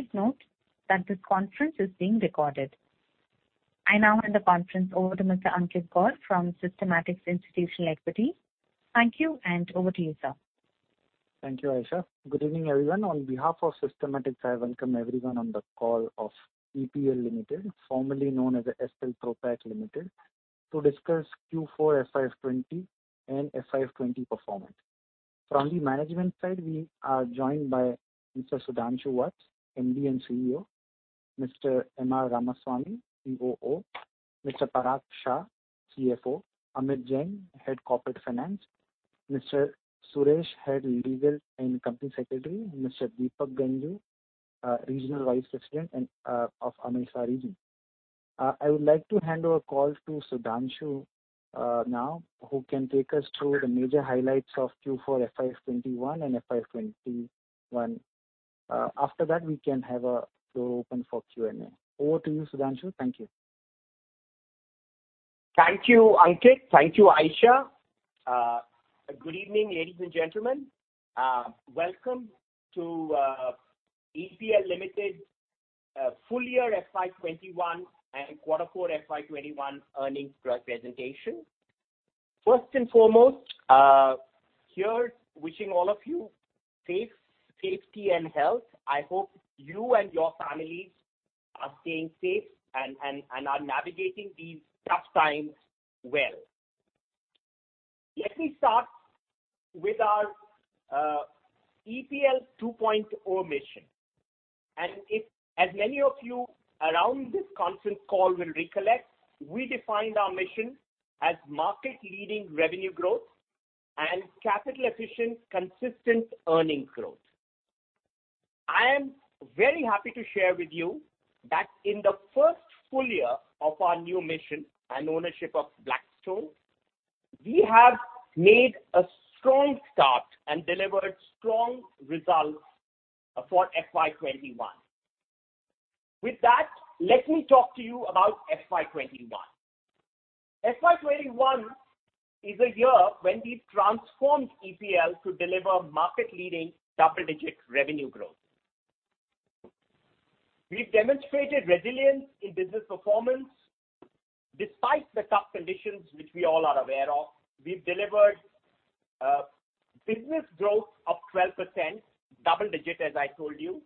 Please note that this conference is being recorded. I now hand the conference over to Mr. Ankit Gor from Systematix Institutional Equities. Thank you. Over to you, sir. Thank you, Aisha. Good evening, everyone. On behalf of Systematix, I welcome everyone on the call of EPL Limited, formerly known as Essel Propack Limited, to discuss Q4 FY 2020 and FY 2021 performance. From the management side, we are joined by Mr. Sudhanshu Vats, MD and CEO; Mr. M.R. Ramasamy, COO; Mr. Parag Shah, CFO; Amit Jain, Head Corporate Finance; Mr. Suresh, Head Legal and Company Secretary; and Mr. Deepak Ganjoo, Regional Vice President of AMESA Region. I would like to hand over the call to Sudhanshu now, who can take us through the major highlights of Q4 FY 2021 and FY 2021. After that, we can have a floor open for Q&A. Over to you, Sudhanshu. Thank you. Thank you, Ankit. Thank you, Aisha. Good evening, ladies and gentlemen. Welcome to EPL Limited full year FY 2021 and Quarter 4 FY 2021 earnings presentation. First and foremost, here wishing all of you faith, safety, and health. I hope you and your families are staying safe and are navigating these tough times well. Let me start with our EPL 2.0 mission. As many of you around this conference call will recollect, we defined our mission as market-leading revenue growth and capital-efficient, consistent earning growth. I am very happy to share with you that in the first full year of our new mission and ownership of Blackstone, we have made a strong start and delivered strong results for FY 2021. With that, let me talk to you about FY 2021. FY 2021 is a year when we transformed EPL to deliver market-leading double-digit revenue growth. We demonstrated resilience in business performance. Despite the tough conditions which we all are aware of, we delivered business growth of 12%, double digit, as I told you,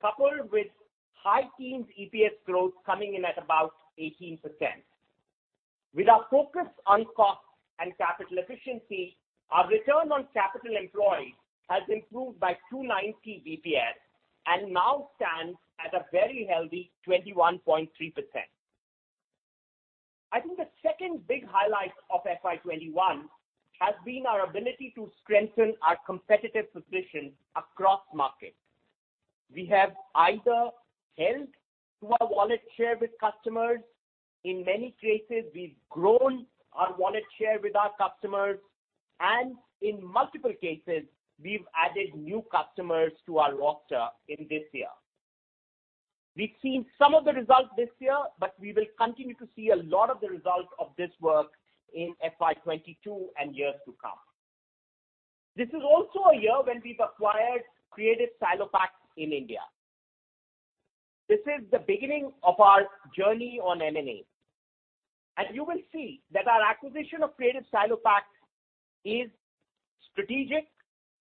coupled with high teens EPS growth coming in at about 18%. With our focus on cost and capital efficiency, our return on capital employed has improved by 290 basis points and now stands at a very healthy 21.3%. I think the second big highlight of FY 2021 has been our ability to strengthen our competitive position across markets. We have either held to our wallet share with customers, in many cases, we've grown our wallet share with our customers, and in multiple cases, we've added new customers to our roster in this year. We've seen some of the results this year, but we will continue to see a lot of the results of this work in FY 2022 and years to come. This is also a year when we've acquired Creative StyloPack in India. This is the beginning of our journey on M&A. You will see that our acquisition of Creative StyloPack is strategic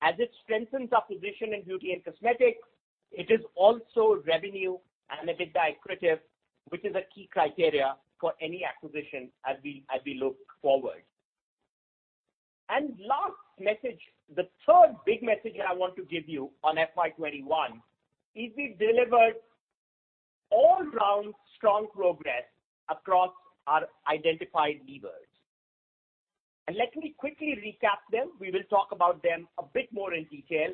as it strengthens our position in beauty and cosmetics. It is also revenue and EBITDA accretive, which is a key criteria for any acquisition as we look forward. Last message, the third big message I want to give you on FY 2021 is we delivered all-round strong progress across our identified levers. Let me quickly recap them. We will talk about them a bit more in detail,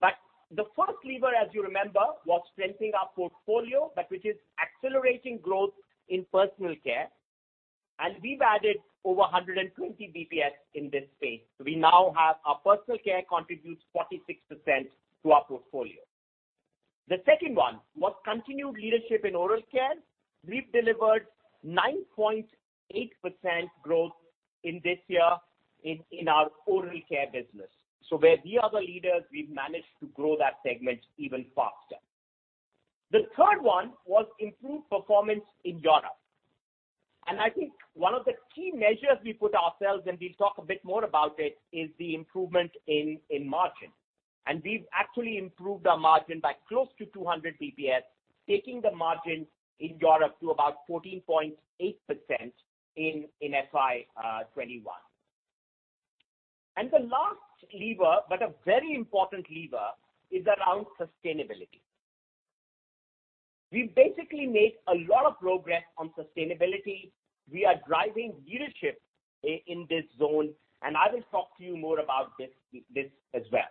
but the first lever, as you remember, was strengthening our portfolio, which is accelerating growth in personal care. We've added over 120 basis points in this space. Our personal care contributes 46% to our portfolio. The second one was continued leadership in oral care. We've delivered 9.8% growth in this year in our oral care business. Where we are the leaders, we've managed to grow that segment even faster. The third one was improved performance in Europe. I think one of the key measures we put ourselves, and we'll talk a bit more about it, is the improvement in margin. We've actually improved our margin by close to 200 basis points, taking the margin in Europe to about 14.8% in FY 2021. The last lever, but a very important lever, is around sustainability. We've basically made a lot of progress on sustainability. We are driving leadership in this zone, and I will talk to you more about this as well.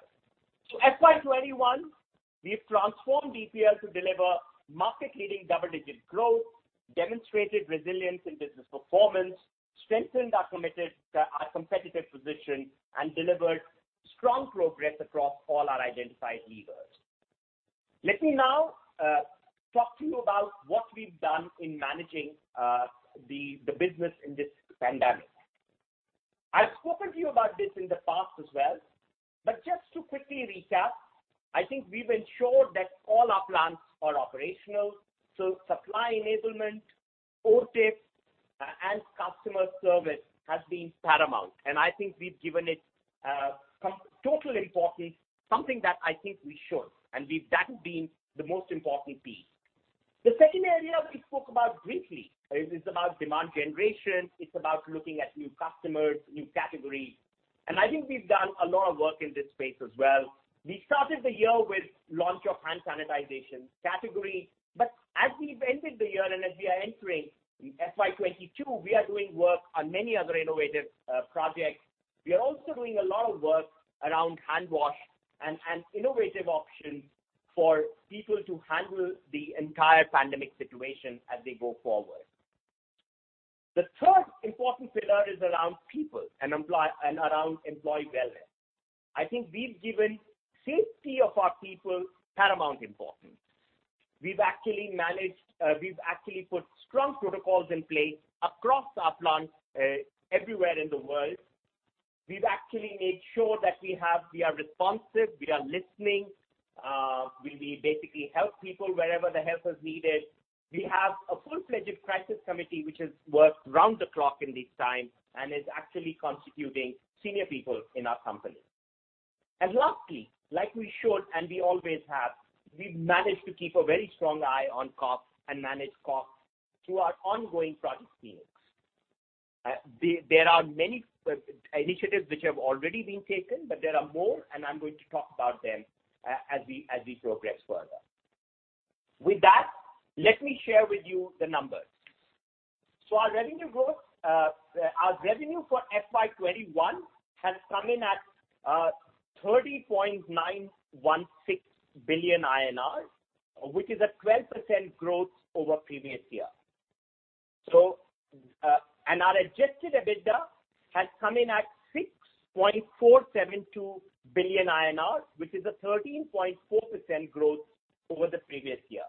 FY 2021, we've transformed EPL to deliver market-leading double-digit growth, demonstrated resilience in business performance, strengthened our competitive position, and delivered strong progress across all our identified levers. Let me now talk to you about what we've done in managing the business in this pandemic. I've spoken to you about this in the past as well, but just to quickly recap, I think we've ensured that all our plants are operational. Supply enablement, OTIF, and customer service have been paramount, and I think we've given it total importance, something that I think we should, and that has been the most important piece. The second area we spoke about briefly is, it's about demand generation, it's about looking at new customers, new categories. I think we've done a lot of work in this space as well. We started the year with the launch of hand sanitization category. As we've ended the year and as we are entering FY 2022, we are doing work on many other innovative projects. We are also doing a lot of work around hand wash and innovative options for people to handle the entire pandemic situation as they go forward. The third important pillar is around people and around employee welfare. I think we've given safety of our people paramount importance. We've actually put strong protocols in place across our plants everywhere in the world. We've actually made sure that we are responsive, we are listening. We basically help people wherever the help is needed. We have a full-fledged crisis committee, which has worked around the clock in these times and is actually constituting senior people in our company. Lastly, like we should and we always have, we've managed to keep a very strong eye on costs and manage costs through our ongoing product mix. There are many initiatives which have already been taken, but there are more, and I'm going to talk about them as we progress further. With that, let me share with you the numbers. Our revenue for FY 2021 has come in at 30.916 billion INR, which is a 12% growth over previous year. Our adjusted EBITDA has come in at 6.472 billion INR, which is a 13.4% growth over the previous year.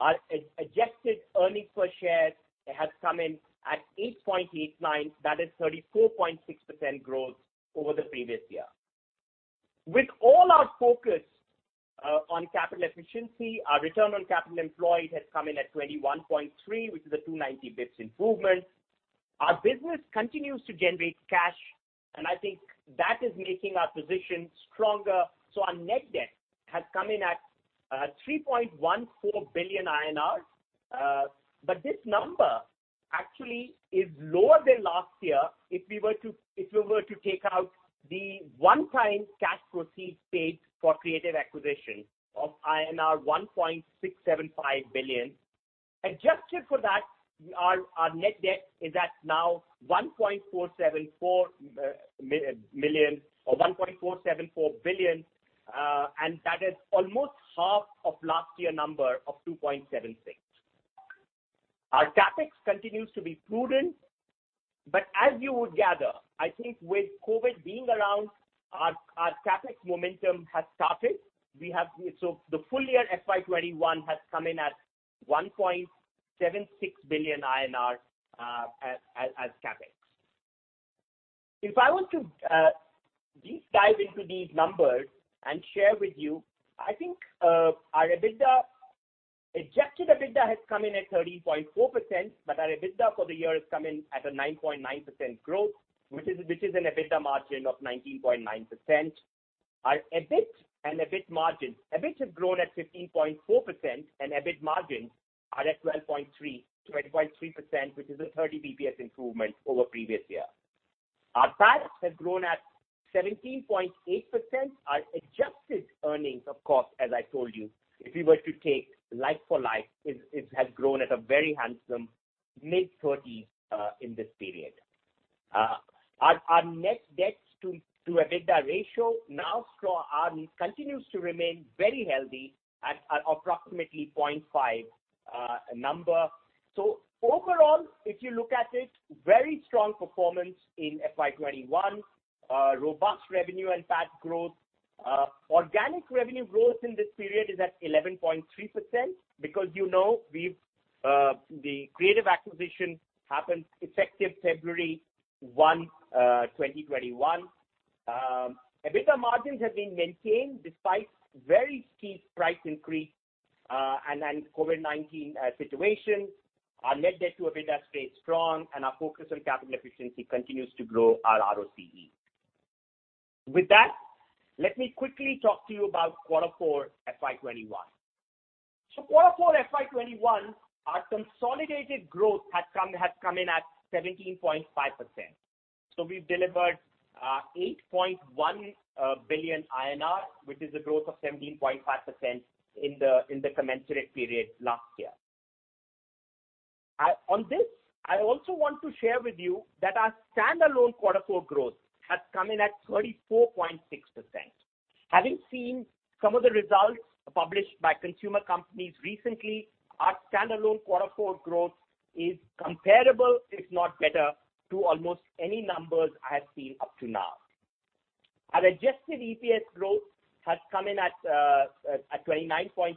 Our adjusted earnings per share has come in at 8.89. That is 34.6% growth over the previous year. With all our focus on capital efficiency, our return on capital employed has come in at 21.3%, which is a 290 basis points improvement. Our business continues to generate cash, and I think that is making our position stronger. Our net debt has come in at 3.14 billion INR. This number actually is lower than last year if we were to take out the one-time cash proceeds paid for Creative acquisition of INR 1.675 billion. Adjusted for that, our net debt is at now 1.474 billion, that is almost half of last year's number of 2.76 billion. Our CapEx continues to be prudent. As you would gather, I think with COVID being around, our CapEx momentum has stopped. The full year FY 2021 has come in at 1.76 billion INR as CapEx. If I were to deep dive into these numbers and share with you, I think our adjusted EBITDA has come in at 13.4%, but our EBITDA for the year has come in at a 9.9% growth, which is an EBITDA margin of 19.9%. Our EBIT and EBIT margin. EBIT has grown at 15.4%, and EBIT margins are at 12.3%, which is a 30 basis points improvement over the previous year. Our PAT has grown at 17.8%. Our adjusted earnings, of course, as I told you, if you were to take like for like, it has grown at a very handsome mid-30s in this period. Our net debt to EBITDA ratio now continues to remain very healthy at approximately 0.5 number. Overall, if you look at it, very strong performance in FY 2021. Robust revenue and PAT growth. Organic revenue growth in this period is at 11.3% because you know the Creative acquisition happened effective February 1, 2021. EBITDA margins have been maintained despite very steep price increase and then COVID-19 situation. Our net debt to EBITDA stayed strong, and our focus on capital efficiency continues to grow our ROCE. With that, let me quickly talk to you about Q4 FY 2021. Q4 FY 2021, our consolidated growth has come in at 17.5%. We've delivered 8.1 billion INR, which is a growth of 17.5% in the commensurate period last year. On this, I also want to share with you that our standalone Q4 growth has come in at 34.6%. Having seen some of the results published by consumer companies recently, our standalone Q4 growth is comparable, if not better, to almost any numbers I have seen up to now. Our adjusted EPS growth has come in at 29.6%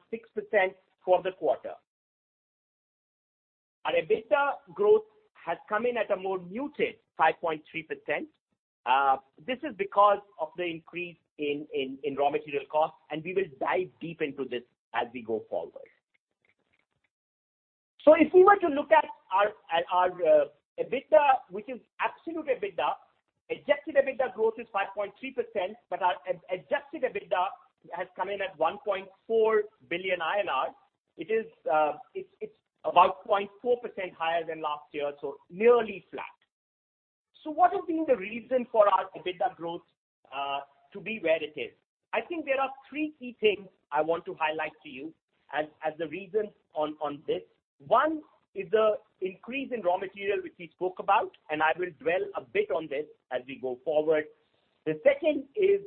for the quarter. Our EBITDA growth has come in at a more muted 5.3%. This is because of the increase in raw material costs. We will dive deep into this as we go forward. If we were to look at our absolute EBITDA, adjusted EBITDA growth is 5.3%, but our adjusted EBITDA has come in at 1.4 billion INR. It's about 0.4% higher than last year, so nearly flat. What has been the reason for our EBITDA growth to be where it is? I think there are three key things I want to highlight to you as the reasons on this. One is the increase in raw material, which we spoke about, and I will dwell a bit on this as we go forward. The second is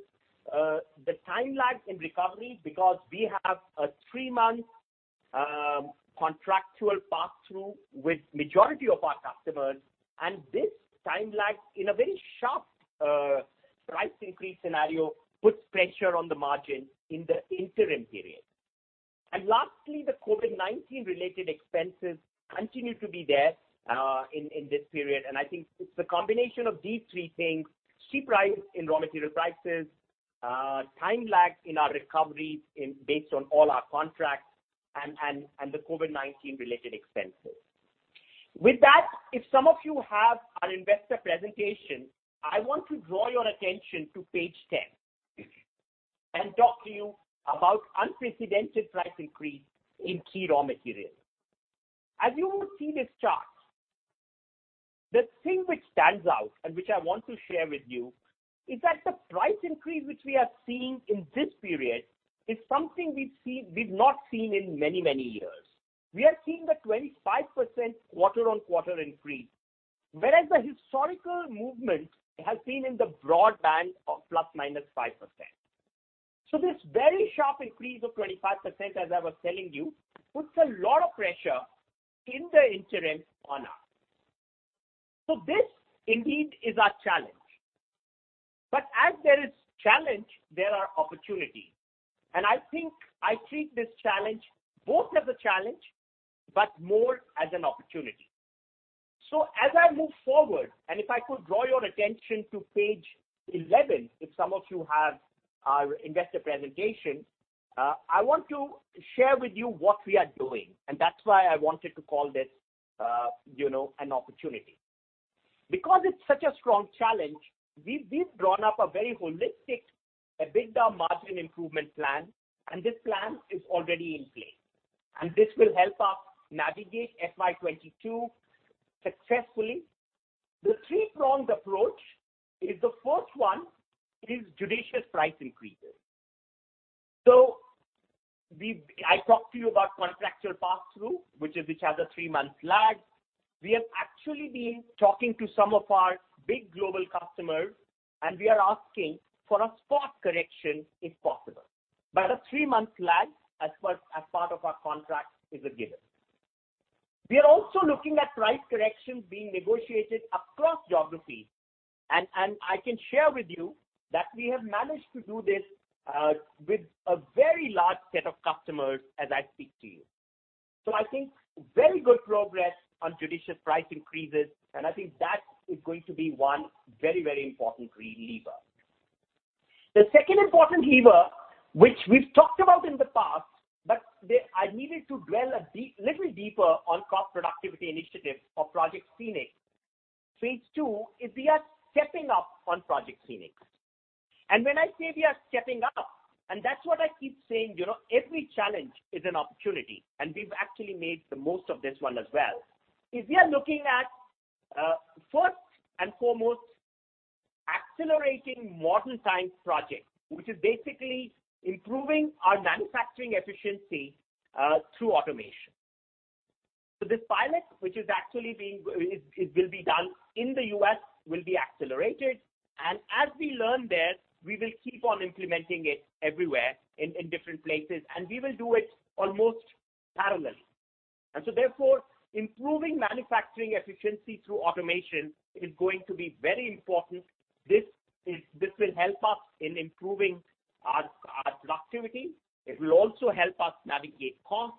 the time lag in recovery because we have a three-month contractual pass-through with majority of our customers, and this time lag in a very sharp price increase scenario puts pressure on the margin in the interim period. Lastly, the COVID-19 related expenses continue to be there in this period. I think it's a combination of these three things, steep rise in raw material prices, time lag in our recoveries based on all our contracts, and the COVID-19 related expenses. With that, if some of you have our investor presentation, I want to draw your attention to page 10 and talk to you about unprecedented price increase in key raw materials. As you would see this chart, the thing which stands out and which I want to share with you is that the price increase which we are seeing in this period is something we've not seen in many years. We are seeing a 25% quarter-on-quarter increase, whereas the historical movement has been in the broad band of ±5%. This very sharp increase of 25%, as I was telling you, puts a lot of pressure in the interim on us. This indeed is our challenge. As there is challenge, there are opportunities. I treat this challenge both as a challenge, but more as an opportunity. As I move forward, if I could draw your attention to page 11 if some of you have our investor presentation, I want to share with you what we are doing. That's why I wanted to call this an opportunity. Because it's such a strong challenge, we've drawn up a very holistic EBITDA margin improvement plan, and this plan is already in place, and this will help us navigate FY 2022 successfully. The three-pronged approach is, the first one is judicious price increases. I talked to you about contractual pass-through, which has a three-month lag. We have actually been talking to some of our big global customers, and we are asking for a spot correction if possible. A three-month lag as part of our contract is a given. We are also looking at price corrections being negotiated across geographies, and I can share with you that we have managed to do this with a very large set of customers as I speak to you. I think very good progress on judicious price increases, and I think that is going to be one very important key lever. The second important lever, which we've talked about in the past, but I needed to dwell a little deeper on cost productivity initiatives or Project Phoenix. Phase II is we are stepping up on Project Phoenix. When I say we are stepping up, and that's what I keep saying, every challenge is an opportunity, and we've actually made the most of this one as well, is we are looking at, first and foremost, accelerating Modern Times project, which is basically improving our manufacturing efficiency through automation. The pilot, which will be done in the U.S., will be accelerated, and as we learn there, we will keep on implementing it everywhere in different places, and we will do it almost parallelly. Therefore, improving manufacturing efficiency through automation is going to be very important. This will help us in improving our productivity. It will also help us navigate costs.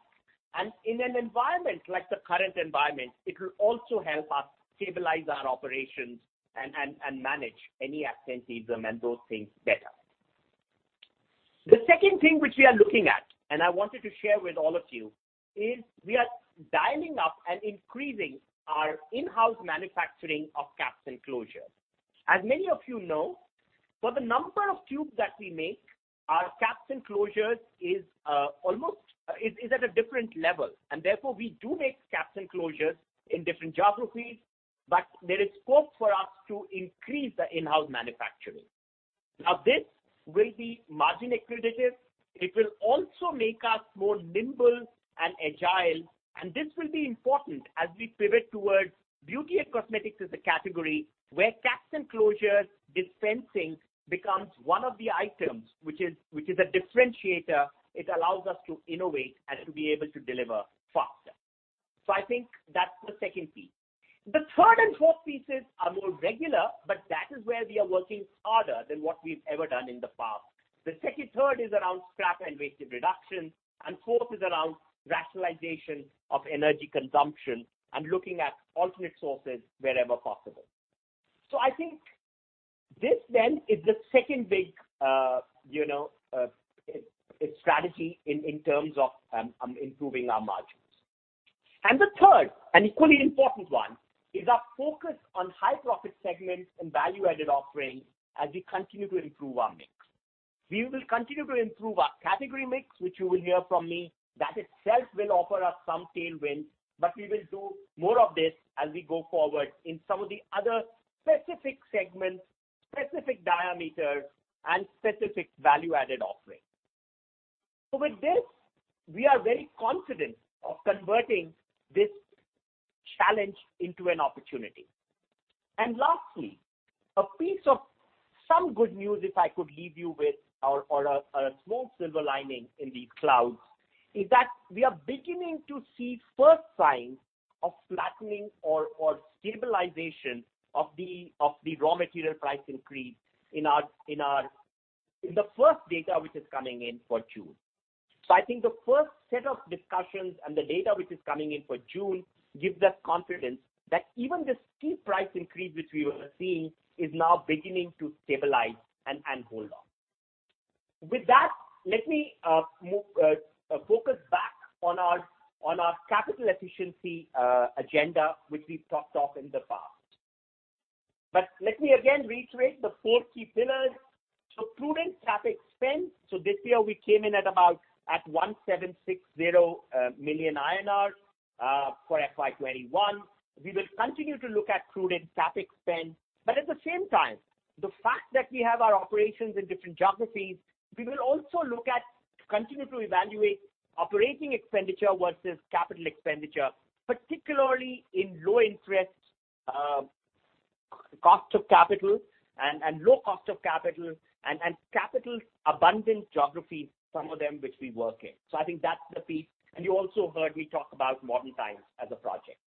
In an environment like the current environment, it will also help us stabilize our operations and manage any absenteeism and those things better. The second thing which we are looking at, and I wanted to share with all of you, is we are dialing up and increasing our in-house manufacturing of caps and closures. As many of you know, for the number of tubes that we make, our caps and closures is at a different level, and therefore we do make caps and closures in different geographies, but there is scope for us to increase the in-house manufacturing. This will be margin accretive. It will also make us more nimble and agile, and this will be important as we pivot towards beauty and cosmetics as a category where caps and closures dispensing becomes one of the items which is a differentiator. It allows us to innovate and to be able to deliver faster. I think that's the second piece. The third and fourth pieces are more regular, but that is where we are working harder than what we've ever done in the past. The second third is around scrap and wastage reduction, fourth is around rationalization of energy consumption and looking at alternate sources wherever possible. I think this is the second big strategy in terms of improving our margins. The third and equally important one is our focus on high-profit segments and value-added offerings as we continue to improve our mix. We will continue to improve our category mix, which you will hear from me, that itself will offer us some tailwinds, we will do more of this as we go forward in some of the other specific segments, specific diameters, and specific value-added offerings. With this, we are very confident of converting this challenge into an opportunity. Lastly, a piece of some good news, if I could leave you with or a small silver lining in these clouds, is that we are beginning to see first signs of flattening or stabilization of the raw material price increase in the first data which is coming in for June. I think the first set of discussions and the data which is coming in for June gives us confidence that even this steep price increase which we were seeing is now beginning to stabilize and hold on. With that, let me focus back on our capital efficiency agenda, which we've talked of in the past. Let me again reiterate the four key pillars. Prudent CapEx spend. This year we came in at about 1,760 million INR for FY 2021. We will continue to look at prudent CapEx spend, at the same time, the fact that we have our operations in different geographies, we will also look at continue to evaluate operating expenditure versus capital expenditure, particularly in low interest cost of capital and low cost of capital and capital abundant geographies, some of them which we work in. I think that's the piece. You also heard me talk about Modern Times as a project.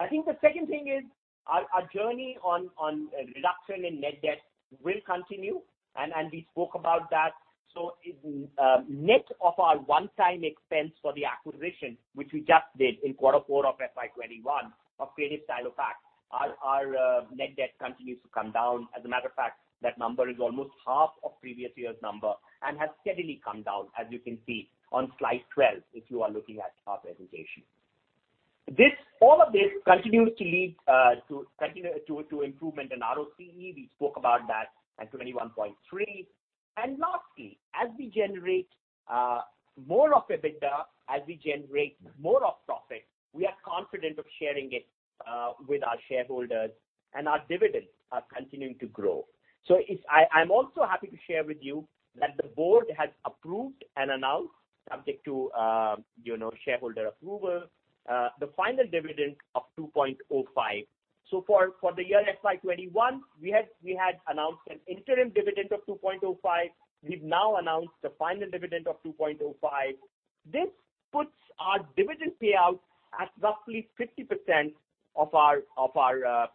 I think the second thing is our journey on reduction in net debt will continue, and we spoke about that. Net of our one-time expense for the acquisition, which we just did in quarter four of FY 2021 of Creative StyloPack, our net debt continues to come down. As a matter of fact, that number is almost half of previous year's number and has steadily come down, as you can see on slide 12, if you are looking at our presentation. All of this continues to lead to improvement in ROCE, we spoke about that, at 21.3%. Lastly, as we generate more of EBITDA, as we generate more of profit, we are confident of sharing it with our shareholders, our dividends are continuing to grow. I'm also happy to share with you that the board has approved and announced, subject to shareholder approval, the final dividend of 2.05. For the year FY 2021, we had announced an interim dividend of 2.05. We've now announced the final dividend of 2.05. This puts our dividend payout at roughly 50% of our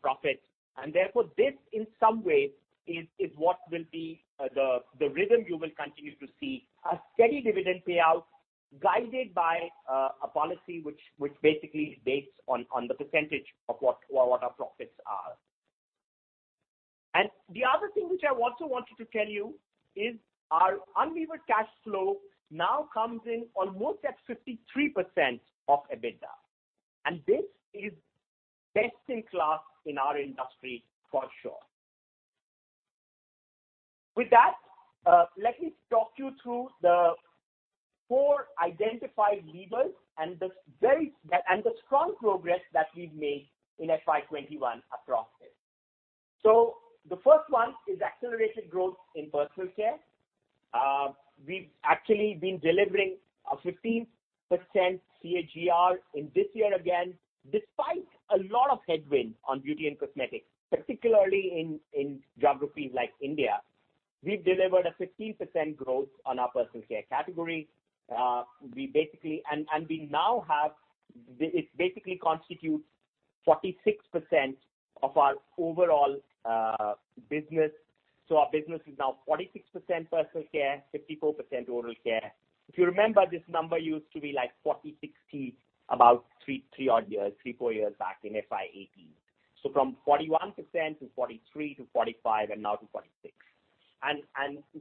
profits. Therefore this, in some ways, is what will be the rhythm you will continue to see, a steady dividend payout guided by a policy which basically bakes on the percentage of what our profits are. The other thing which I also wanted to tell you is our unlevered cash flow now comes in almost at 53% of EBITDA, and this is best in class in our industry for sure. With that, let me talk you through the four identified levers and the strong progress that we've made in FY 2021 across this. The first one is accelerated growth in personal care. We've actually been delivering a 15% CAGR in this year again, despite a lot of headwinds on beauty and cosmetics, particularly in geographies like India. We've delivered a 15% growth on our personal care category. It basically constitutes 46% of our overall business. Our business is now 46% personal care, 54% oral care. If you remember, this number used to be like 40/60 about three, four years back in FY 2018. From 41% to 43 to 45, and now to 46.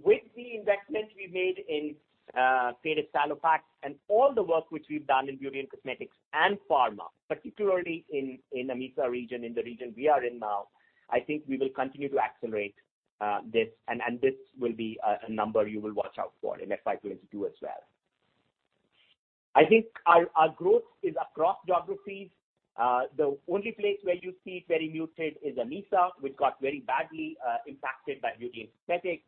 With the investments we made in Creative StyloPack and all the work which we've done in beauty and cosmetics and pharma, particularly in the AMESA region, in the region we are in now, I think we will continue to accelerate this, and this will be a number you will watch out for in FY 2022 as well. I think our growth is across geographies. The only place where you see very muted is AMESA, which got very badly impacted by beauty and cosmetics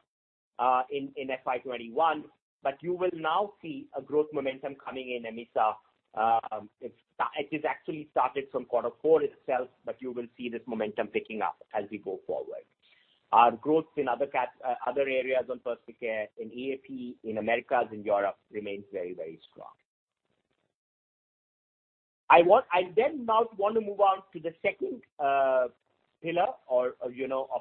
in FY 2021. You will now see a growth momentum coming in AMESA. It has actually started from quarter four itself. You will see this momentum picking up as we go forward. Our growth in other areas of personal care in EAP, in Americas and Europe remains very, very strong. I now want to move on to the second pillar of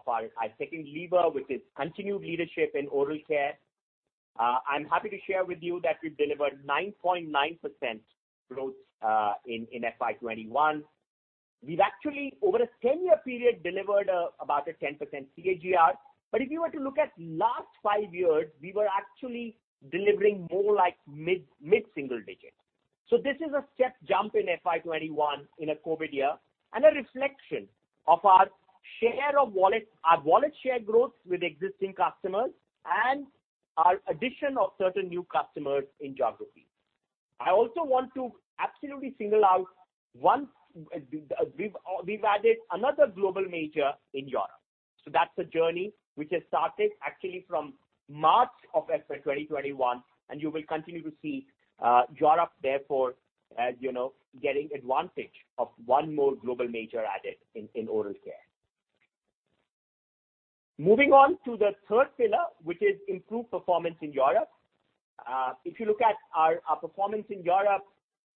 our second lever, which is continued leadership in oral care. I'm happy to share with you that we delivered 9.9% growth in FY 2021. We've actually, over a 10-year period, delivered about a 10% CAGR. If you were to look at last five years, we were actually delivering more like mid-single digits. This is a step jump in FY 2021 in a COVID year, and a reflection of our wallet share growth with existing customers and our addition of certain new customers in geographies. I also want to absolutely single out. We've added another global major in Europe. That's a journey which has started actually from March of FY 2021, and you will continue to see Europe, therefore, getting advantage of one more global major added in oral care. Moving on to the third pillar, which is improved performance in Europe. If you look at our performance in Europe,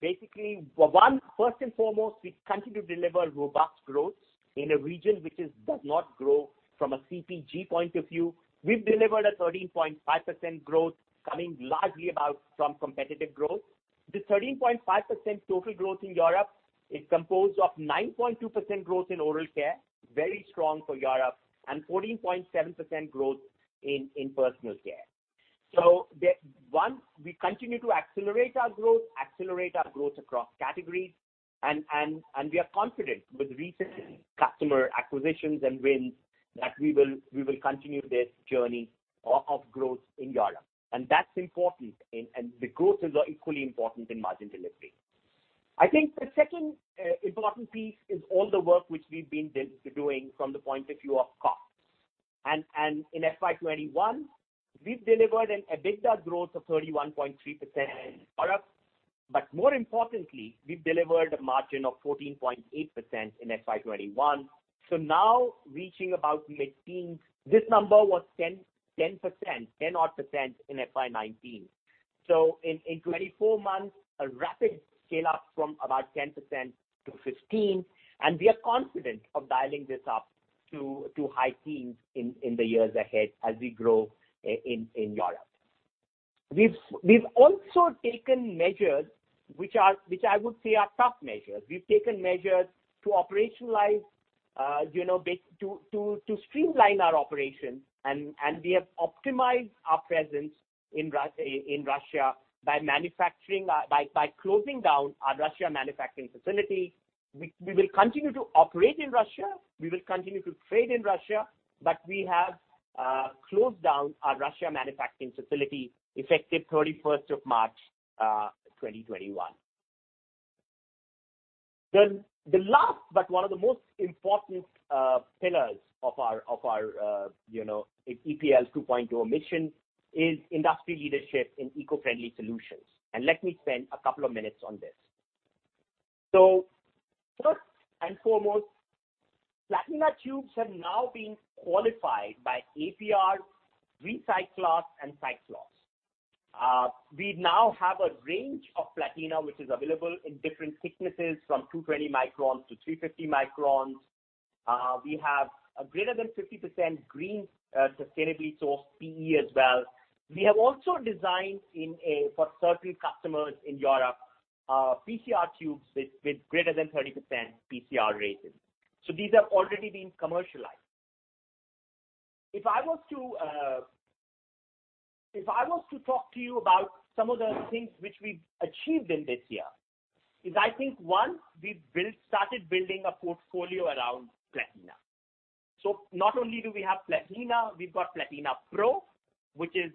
basically, one, first and foremost, we've continued to deliver robust growth in a region which does not grow from a CPG point of view. We've delivered a 13.5% growth, coming largely about from competitive growth. This 13.5% total growth in Europe is composed of 9.2% growth in oral care, very strong for Europe, and 14.7% growth in personal care. One, we continue to accelerate our growth across categories, and we are confident with recent customer acquisitions and wins that we will continue this journey of growth in Europe. That's important, and the growth is equally important in margin delivery. I think the second important piece is all the work which we've been doing from the point of view of costs. In FY 2021, we've delivered an EBITDA growth of 31.3% in Europe. More importantly, we've delivered a margin of 14.8% in FY 2021. Now reaching about mid-teens. This number was 10% in FY 2019. In 24 months, a rapid scale up from about 10%-15%, and we are confident of dialing this up to high teens in the years ahead as we grow in Europe. We've also taken measures which I would say are tough measures. We've taken measures to operationalize, to streamline our operations, and we have optimized our presence in Russia by closing down our Russia manufacturing facility. We will continue to operate in Russia. We will continue to trade in Russia, but we have closed down our Russia manufacturing facility effective 31st of March 2021. The last but one of the most important pillars of our EPL 2.0 mission is industry leadership in eco-friendly solutions. Let me spend a couple of minutes on this. First and foremost, Platina tubes have now been qualified by APR and RecyClass. We now have a range of Platina which is available in different thicknesses from 220 microns to 350 microns. We have a greater than 50% green sustainably sourced PE as well. We have also designed for certain customers in Europe, PCR tubes with greater than 30% PCR resin. These have already been commercialized. If I was to talk to you about some of the things which we've achieved in this year is I think, one, we've started building a portfolio around Platina. Not only do we have Platina, we've got Platina Pro, which is,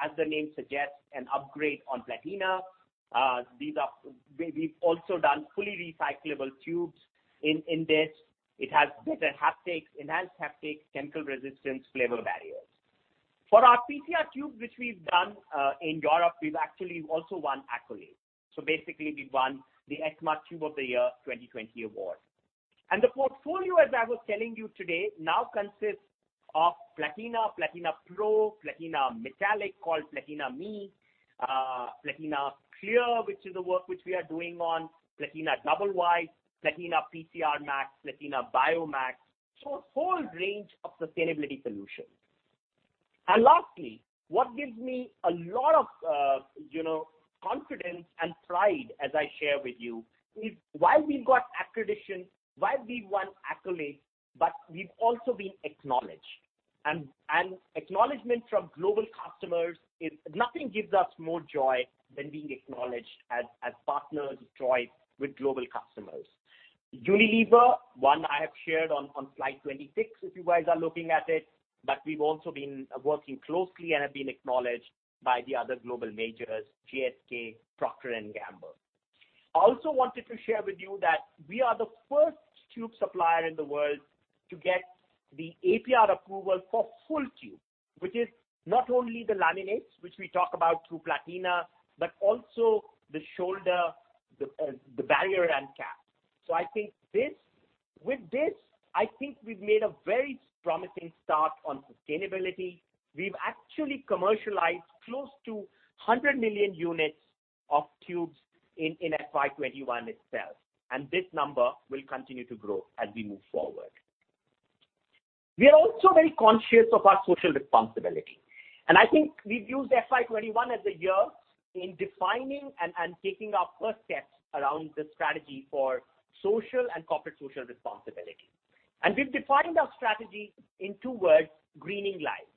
as the name suggests, an upgrade on Platina. We've also done fully recyclable tubes in this. It has better haptics, enhanced haptics, chemical resistance, flavor barriers. For our PCR tube, which we've done in Europe, we've actually also won accolades. Basically, we won the etma Tube of the Year 2020 award. The portfolio, as I was telling you today, now consists of Platina, Platina Pro, Platina Metallic, called Platina ME, Platina Vision, which is the work which we are doing on Platina Double White, r-Platina, Platina Bio Max. A whole range of sustainability solutions. Lastly, what gives me a lot of confidence and pride as I share with you is. While we've got accreditation, while we've won accolades, we've also been acknowledged. Acknowledgment from global customers is. Nothing gives us more joy than being acknowledged as partners of choice with global customers. Unilever, one I have shared on Slide 26, if you guys are looking at it. We've also been working closely and have been acknowledged by the other global majors, GSK, Procter & Gamble. I also wanted to share with you that we are the first tube supplier in the world to get the APR approval for full tube, which is not only the laminates, which we talk about through Platina, but also the shoulder, the barrier, and cap. I think with this, I think we've made a very promising start on sustainability. We've actually commercialized close to 100 million units of tubes in FY 2021 itself, and this number will continue to grow as we move forward. We are also very conscious of our social responsibility, and I think we've used FY 2021 as the year in defining and taking our first steps around the strategy for social and corporate social responsibility. We've defined our strategy in two words, Greening Lives.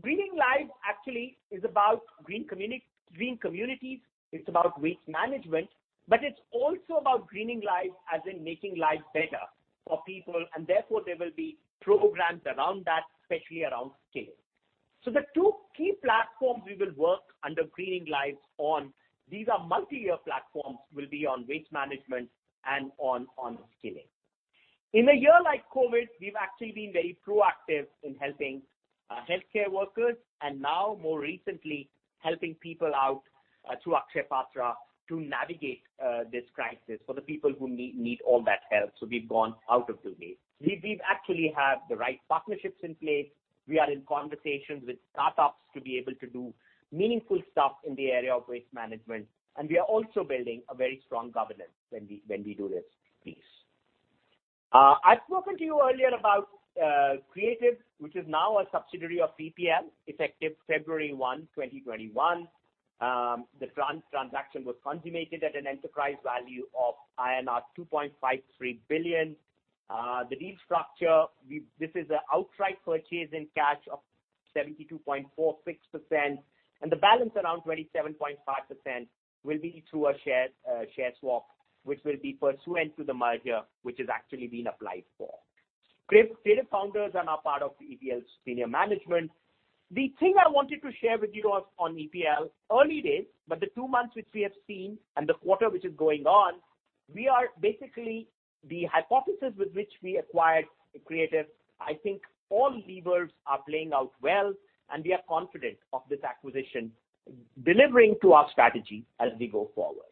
Greening Lives actually is about green communities, it's about waste management, but it's also about Greening Lives as in making lives better for people, and therefore, there will be programs around that, especially around scale. The two key platforms we will work under Greening Lives on, these are multi-year platforms, will be on waste management and on skilling. In a year like COVID, we've actually been very proactive in helping healthcare workers, and now more recently, helping people out through Akshaya Patra to navigate this crisis for the people who need all that help. We've gone out of the way. We've actually had the right partnerships in place. We are in conversations with startups to be able to do meaningful stuff in the area of waste management, and we are also building a very strong governance when we do these things. I spoke with you earlier about Creative, which is now a subsidiary of EPL, effective February 1, 2021. The transaction was consummated at an enterprise value of INR 2.53 billion. The deal structure, this is an outright purchase in cash of 72.46%, and the balance around 27.5% will be through a share swap, which will be pursuant to the merger, which has actually been applied for. Creative founders are now part of EPL's senior management. The thing I wanted to share with you on EPL, early days, but the two months which we have seen and the quarter which is going on, basically the hypothesis with which we acquired Creative, I think all levers are playing out well, and we are confident of this acquisition delivering to our strategy as we go forward.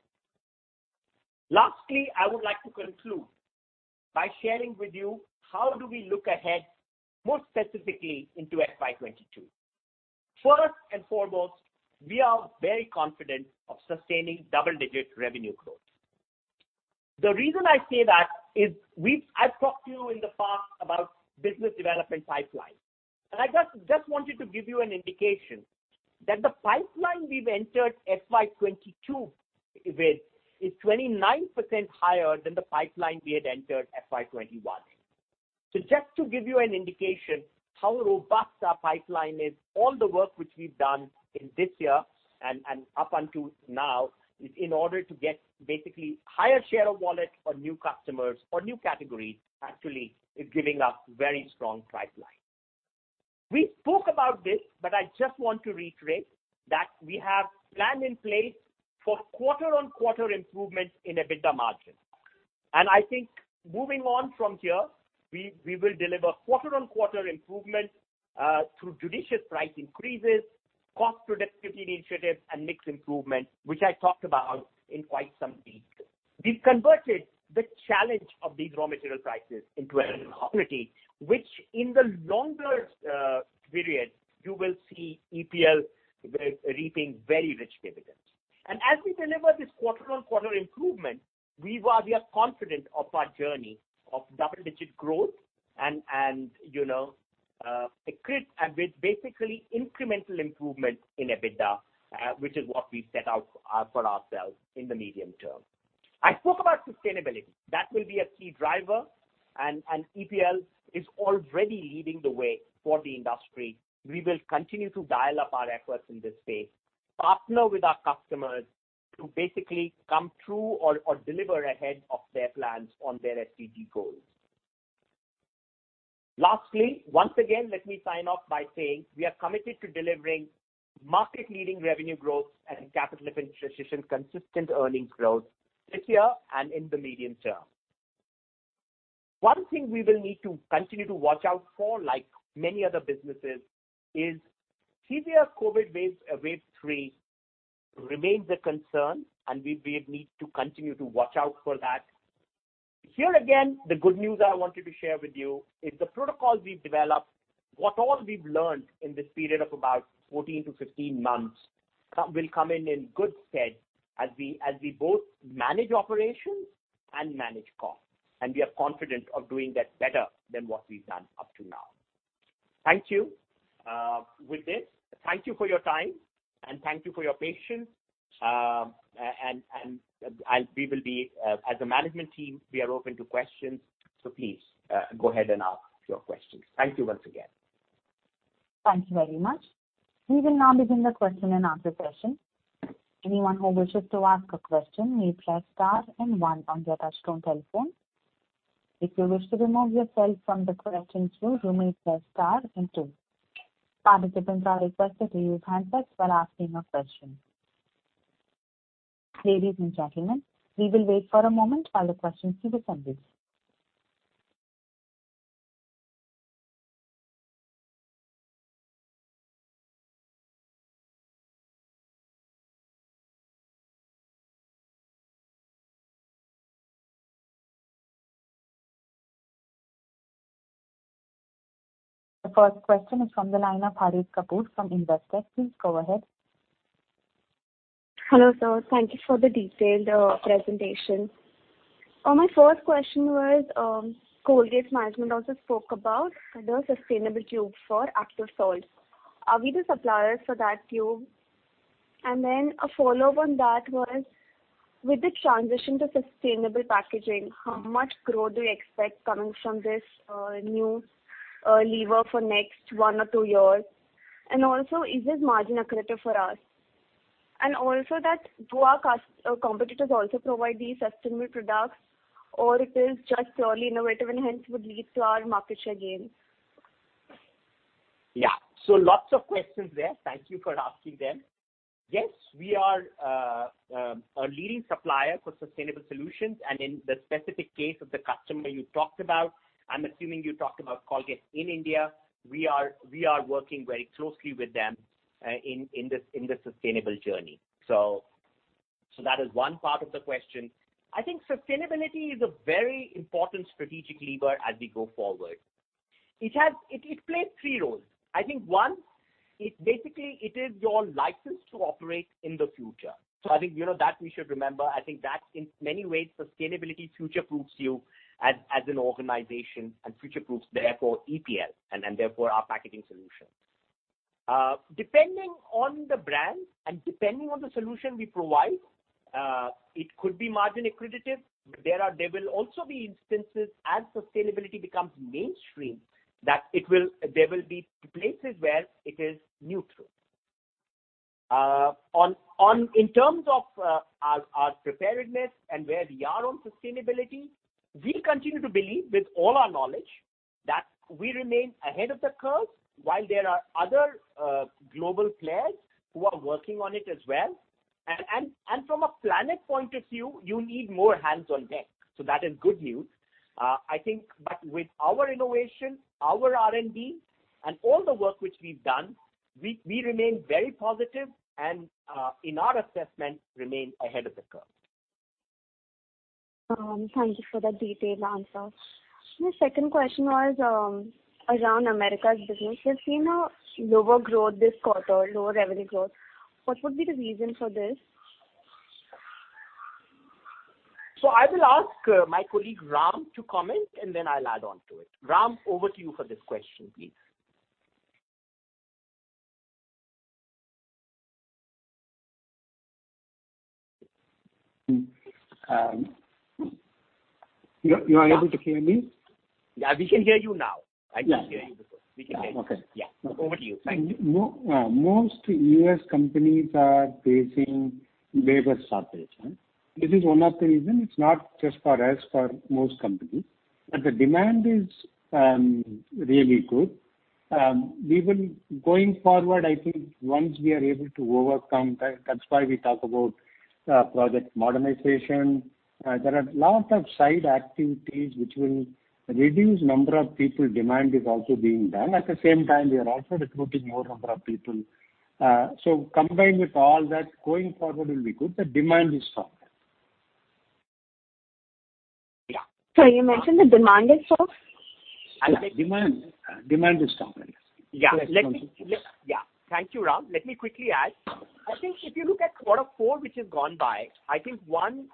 Lastly, I would like to conclude by sharing with you how do we look ahead, more specifically into FY 2022. First and foremost, we are very confident of sustaining double-digit revenue growth. The reason I say that is I've talked to you in the past about business development pipeline, and I just wanted to give you an indication that the pipeline we've entered FY 2022 with is 29% higher than the pipeline we had entered FY 2021. Just to give you an indication how robust our pipeline is, all the work which we've done in this year and up until now in order to get basically higher share of wallet or new customers or new categories actually is giving us very strong pipeline. We spoke about this, but I just want to reiterate that we have plan in place for quarter-on-quarter improvement in EBITDA margin. I think moving on from here, we will deliver quarter-on-quarter improvement through judicious price increases, cost productivity initiatives, and mix improvement, which I talked about in quite some detail. We've converted the challenge of the raw material crisis into an opportunity, which in the longer period, you will see EPL reaping very rich dividends. As we deliver this quarter-on-quarter improvement, we are confident of our journey of double-digit growth and with basically incremental improvement in EBITDA, which is what we set out for ourselves in the medium term. I spoke about sustainability. That will be a key driver. EPL is already leading the way for the industry. We will continue to dial up our efforts in this space, partner with our customers to basically come through or deliver ahead of their plans on their SDG goals. Lastly, once again, let me sign off by saying we are committed to delivering market-leading revenue growth and capital efficient, consistent earnings growth this year and in the medium term. One thing we will need to continue to watch out for, like many other businesses, is whether COVID wave three remains a concern. We need to continue to watch out for that. Here again, the good news I wanted to share with you is the protocols we've developed, what all we've learned in this period of about 14-15 months will come in good stead as we both manage operations and manage costs. We are confident of doing that better than what we've done up to now. Thank you. With this, thank you for your time. Thank you for your patience. As a management team, we are open to questions. Please go ahead and ask your questions. Thank you once again. Thank you very much. We will now begin the question and answer session. Anyone who wishes to ask a question may press star one on your touchtone telephone. If you wish to remove yourself from the question queue, you may press star two. Participants are requested to use handouts for asking a question. Ladies and gentlemen, we will wait for a moment while the questions will be coming. First question is from the line of Harit Kapoor from Investec. Please go ahead. Hello, sir. Thank you for the detailed presentation. My first question was, Colgate's management also spoke about their sustainable tube for Active Salt. Are we the suppliers for that tube? A follow-up on that was, with the transition to sustainable packaging, how much growth do you expect coming from this new lever for next one or two years? Is this margin accretive for us? Do our competitors also provide these sustainable products, or it is just purely innovative and hence would lead to our market share gain? Yeah. Lots of questions there. Thank you for asking them. Yes, we are a leading supplier for sustainable solutions, and in the specific case of the customer you talked about, I'm assuming you're talking about Colgate in India. We are working very closely with them in the sustainable journey. That is one part of the question. I think sustainability is a very important strategic lever as we go forward. It plays three roles. I think one, basically it is your license to operate in the future. I think that we should remember. I think that in many ways, sustainability future-proofs you as an organization and future-proofs, therefore, EPL and therefore our packaging solutions. Depending on the brand and depending on the solution we provide, it could be margin accretive. There will also be instances as sustainability becomes mainstream, that there will be places where it is neutral. In terms of our preparedness and where we are on sustainability, we continue to believe with all our knowledge that we remain ahead of the curve while there are other global players who are working on it as well. From a planet point of view, you need more hands on deck. That is good news. I think that with our innovation, our R&D, and all the work which we've done, we remain very positive and, in our assessment, remain ahead of the curve. Thank you for that detailed answer. My second question was around America's business. We've seen a lower growth this quarter, lower revenue growth. What would be the reason for this? I will ask my colleague Ram to comment, and then I'll add on to it. Ram, over to you for this question, please. You are able to hear me? We can hear you now. I could hear you before. We can hear you. Okay. Yeah. Over to you. Thank you. Most U.S. companies are facing labor shortages. This is one of the reasons. It's not just for us, for most companies. The demand is really good. Even going forward, I think once we are able to overcome that's why we talk about Project Modern Times. There are lots of side activities which will reduce number of people. Demand is also being done. At the same time, we are also recruiting more number of people. Combined with all that, going forward will be good. The demand is strong. Yeah. You mentioned the demand is what? Demand is strong. Yeah. Thank you, Ram. Let me quickly add. I think if you look at quarter four, which has gone by, I think one,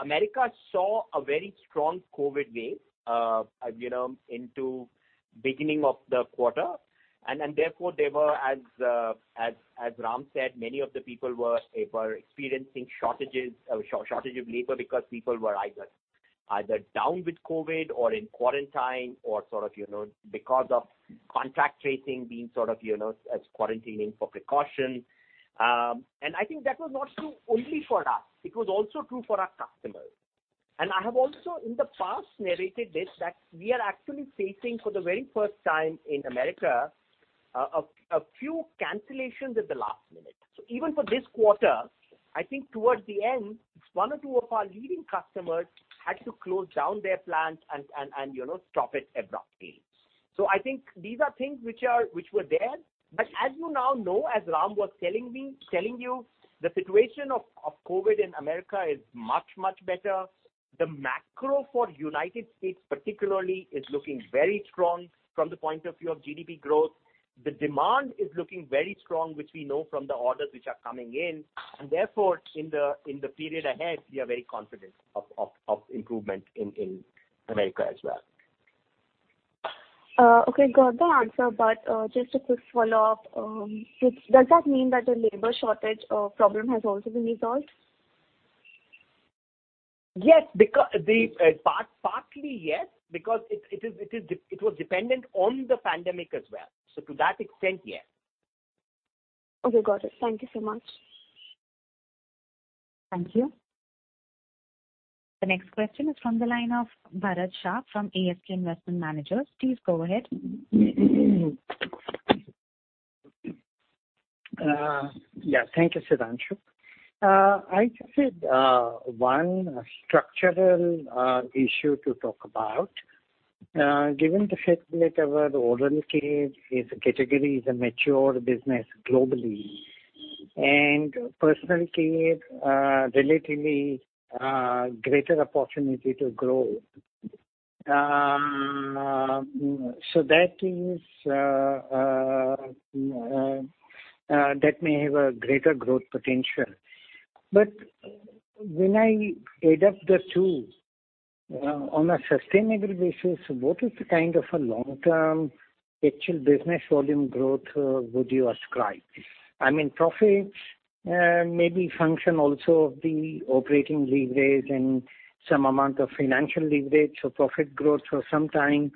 America saw a very strong COVID wave into beginning of the quarter. Therefore, there were, as Ram said, many of the people were experiencing shortages of labor because people were either down with COVID or in quarantine or sort of because of contact tracing being sort of quarantining for precaution. I think that was not true only for us. It was also true for our customers. I have also in the past narrated this, that we are actually facing for the very first time in America, a few cancellations at the last minute. Even for this quarter, I think towards the end, one or two of our leading customers had to close down their plants and stop it abruptly. I think these are things which were there. As you now know, as Ram was telling you, the situation of COVID in America is much, much better. The macro for U.S. particularly is looking very strong from the point of view of GDP growth. The demand is looking very strong, which we know from the orders which are coming in. Therefore, in the period ahead, we are very confident of improvement in America as well. Okay, got the answer, but just a quick follow-up. Does that mean that the labor shortage problem has also been resolved? Yes. Partly yes, because it was dependent on the pandemic as well. To that extent, yes. Okay, got it. Thank you so much. Thank you. The next question is from the line of Bharat Shah from ASK Investment Managers. Please go ahead. Yeah. Thank you, Sudhanshu. I just had one structural issue to talk about. Given the fact that our oral care is a category, is a mature business globally, and personal care, relatively greater opportunity to grow. That may have a greater growth potential. When I add up the two on a sustainable basis, what is the kind of a long-term actual business volume growth would you ascribe? Profit may be function also of the operating leverage and some amount of financial leverage. Profit growth for some time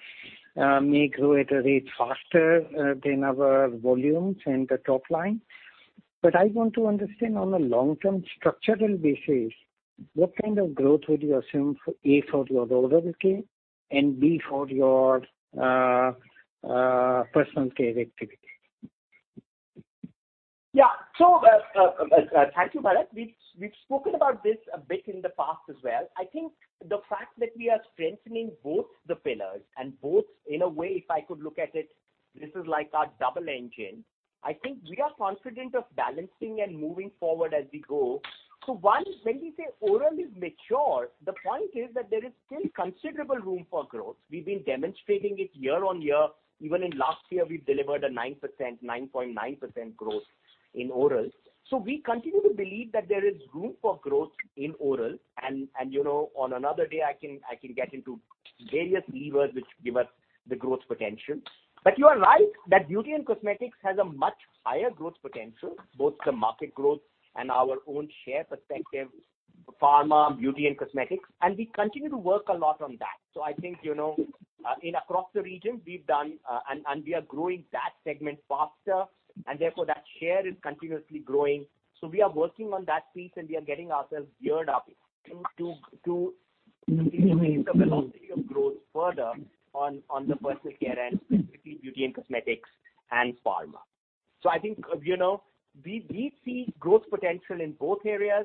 may grow at a rate faster than our volumes and the top line. I want to understand on a long-term structural basis, what kind of growth would you assume, A, for your oral care and B, for your personal care activity? Thank you, Bharat. We've spoken about this a bit in the past as well. I think the fact that we are strengthening both the pillars and both, in a way, if I could look at it, this is like our double engine. I think we are confident of balancing and moving forward as we go. One, when we say oral is mature, the point is that there is still considerable room for growth. We've been demonstrating it year-on-year. Even in last year, we delivered a 9.9% growth in oral. We continue to believe that there is room for growth in oral, and on another day, I can get into various levers which give us the growth potential. You are right, that beauty and cosmetics has a much higher growth potential, both the market growth and our own share perspective, pharma, beauty and cosmetics, and we continue to work a lot on that. I think, in across the region, we've done and we are growing that segment faster, and therefore that share is continuously growing. We are working on that piece and we are getting ourselves geared up to increase the velocity of growth further on the personal care end, specifically beauty and cosmetics and pharma. I think, we see growth potential in both areas.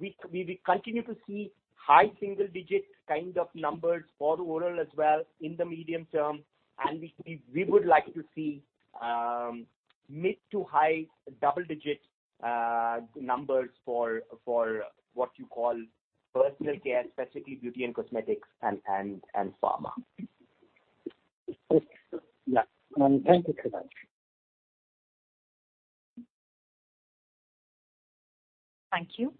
We continue to see high single-digit kind of numbers for oral as well in the medium term, and we would like to see mid to high double-digit numbers for what you call personal care, specifically beauty and cosmetics and pharma. Okay. Thank you, Sudhanshu Vats. Thank you.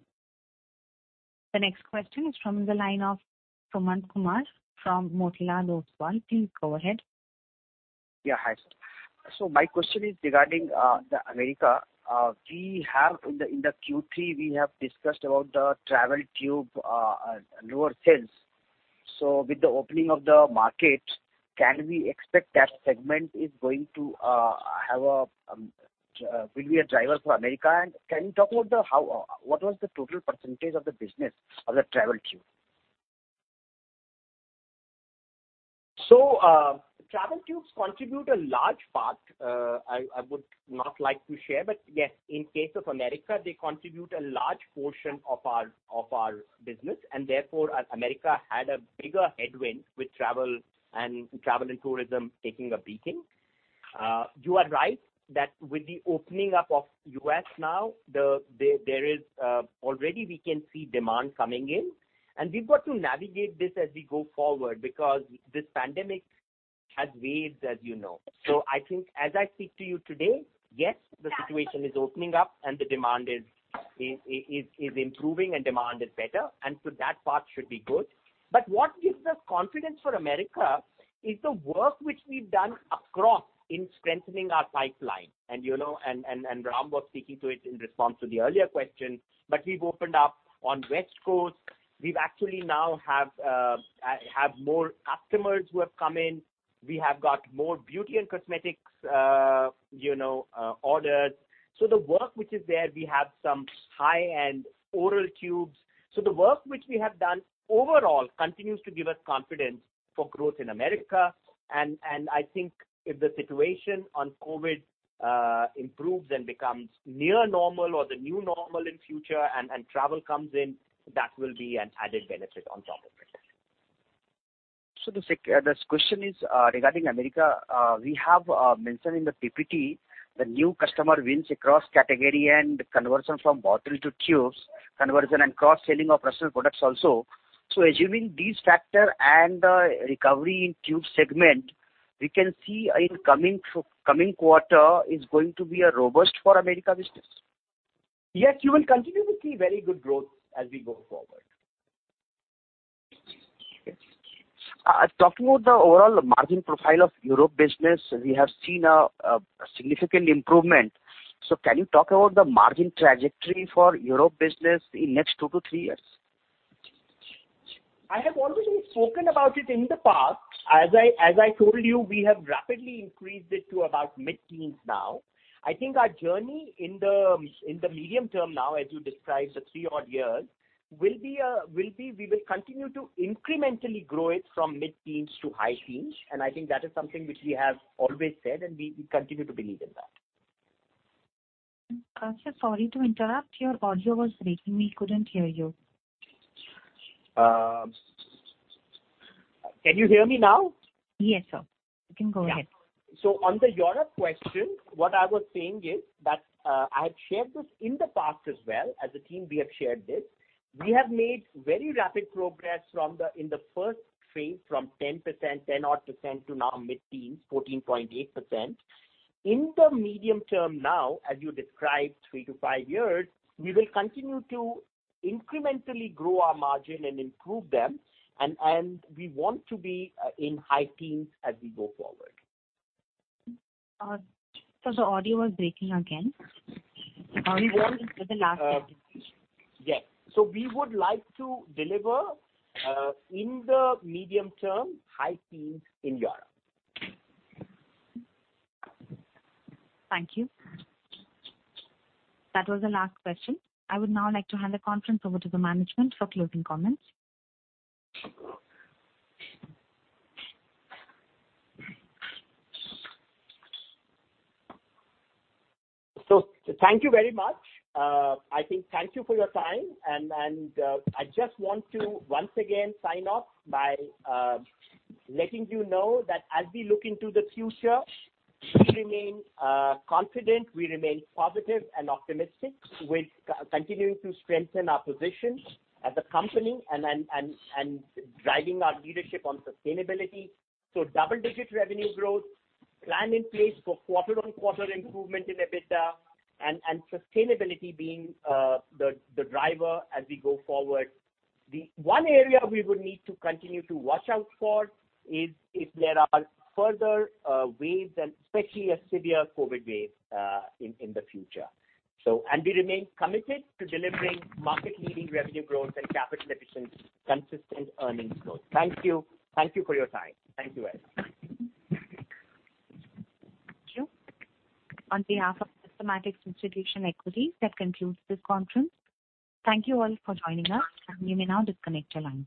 The next question is from the line of Sumant Kumar from Motilal Oswal. Please go ahead. Yeah, hi sir. My question is regarding America. In the Q3, we have discussed about the travel tube lower sales. With the opening of the market, can we expect that segment will be a driver for America? Can you talk about what was the total % of the business of the travel tube? Travel tubes contribute a large part. I would not like to share, but yes, in case of America, they contribute a large portion of our business, and therefore, America had a bigger headwind with travel and tourism taking a beating. You are right that with the opening up of U.S. now, already we can see demand coming in. We've got to navigate this as we go forward because this pandemic has waves, as you know. I think as I speak to you today, yes, the situation is opening up and the demand is improving and demand is better, and so that part should be good. What gives us confidence for America is the work which we've done across in strengthening our pipeline. Ram was speaking to it in response to the earlier question, we've opened up on West Coast. We've actually now have more customers who have come in. We have got more beauty and cosmetics orders. The work which is there, we have some high-end oral tubes. The work which we have done overall continues to give us confidence for growth in America, and I think if the situation on COVID improves and becomes near normal or the new normal in future and travel comes in, that will be an added benefit on top of it. The question is regarding America. We have mentioned in the PPT the new customer wins across category and conversion from bottle to tubes, conversion and cross-selling of personal products also. Assuming these factor and the recovery in tube segment, we can see in coming quarter is going to be a robust for America business. Yes, you will continue to see very good growth as we go forward. Talking about the overall margin profile of Europe business, we have seen a significant improvement. Can you talk about the margin trajectory for Europe business in next two to three years? I have already spoken about it in the past. As I told you, we have rapidly increased it to about mid-teens now. I think our journey in the medium term now, as you described, the three odd years, we will continue to incrementally grow it from mid-teens to high teens, and I think that is something which we have always said and we continue to believe in that. I'm so sorry to interrupt. Your audio was breaking. We couldn't hear you. Can you hear me now? Yes, sir. You can go ahead. On the Europe question, what I was saying is that I've shared this in the past as well. As a team, we have shared this. We have made very rapid progress in the first phase from 10% to now mid-teens, 14.8%. In the medium term now, as you described, three to five years, we will continue to incrementally grow our margin and improve them, and we want to be in high teens as we go forward. Sir, the audio is breaking again. We would like to deliver in the medium term, high teens in Europe. Thank you. That was the last question. I would now like to hand the conference over to the management for closing comments. Thank you very much. Thank you for your time. I just want to once again sign off by letting you know that as we look into the future, we remain confident, we remain positive and optimistic with continuing to strengthen our position as a company and driving our leadership on sustainability. Double-digit revenue growth, plan in place for quarter-on-quarter improvement in EBITDA and sustainability being the driver as we go forward. The one area we would need to continue to watch out for is if there are further waves, and especially a severe COVID wave in the future. We remain committed to delivering market-leading revenue growth and capital efficiency, consistent earnings growth. Thank you. Thank you for your time. Thank you, everyone. Thank you. On behalf of Systematix Institutional Equities, that concludes this conference. Thank you all for joining us. You may now disconnect your lines.